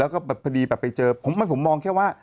พอดีไปเจอผมมองแค่ว่า